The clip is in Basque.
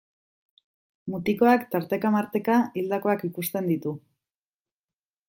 Mutikoak tarteka-marteka hildakoak ikusten ditu.